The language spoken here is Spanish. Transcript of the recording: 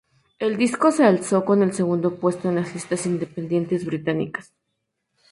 El disco se alzó con el segundo puesto en las listas independientes británicas.